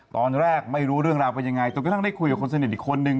ตอนแรกไม่รู้เรื่องราวเป็นยังไงจนกระทั่งได้คุยกับคนสนิทอีกคนนึง